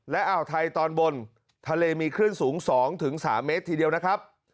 และอ่าวไทยตอนบนทะเลมีคลื่นสูง๒๓เมตรทีเดียวนะครับ